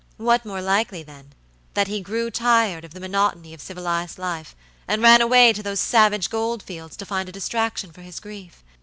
What more likely, then, than that he grew tired of the monotony of civilized life, and ran away to those savage gold fields to find a distraction for his grief?